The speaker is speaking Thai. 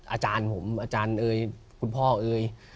อาจารย์ผมอาจารย์เอ่ยคุณพ่อเอ่ย